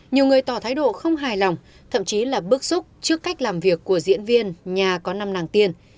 nhiều người tỏ thái độ không hài lòng thậm chí là bức xúc trước cách làm việc của diễn viên nhà có năm nàng tiên